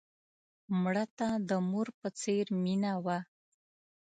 مړه ته د مور په څېر مینه وه